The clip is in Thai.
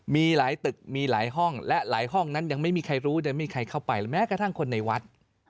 มีหลายตึกมีหลายห้องและหลายห้องนั้นยังไม่มีใครรู้ยังไม่มีใครเข้าไปหรือแม้กระทั่งคนในวัด